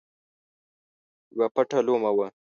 یوه پټه لومه وه.